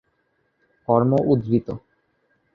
কর্ম উদ্ধৃত